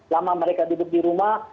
lama mereka duduk di rumah